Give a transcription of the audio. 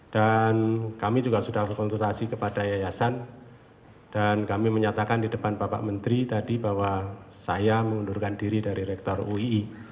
kami juga sudah berkonsultasi kepada yayasan dan kami menyatakan di depan bapak menteri tadi bahwa saya mengundurkan diri dari rektor uii